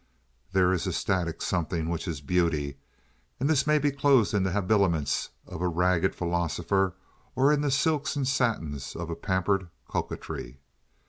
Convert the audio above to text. There is a static something which is beauty, and this may be clothed in the habiliments of a ragged philosopher or in the silks and satins of pampered coquetry.